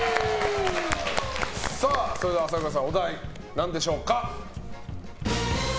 それでは朝倉さんお題なんでしょうか。